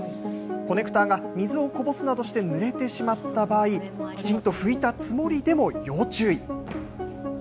コネクターが水をこぼすなどして、ぬれてしまった場合、きちんと拭いたつもりでも要注意。